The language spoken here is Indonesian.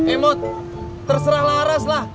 eh mot terserah laras lah